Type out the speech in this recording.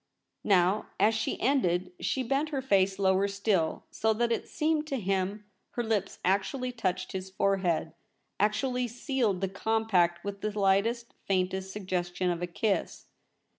Now, as she ended, she bent her face lower still, so that it seemed to him her lips actually touched his forehead — actually sealed the compact with the lightest, faintest suggestion of a kiss.